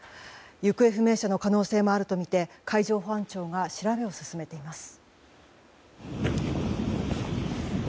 行方不明者の可能性もあるとみて海上保安庁が調べを進めています。